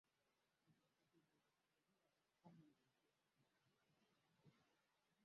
kudai kuwa adhabu hiyo haikuwa ya kweli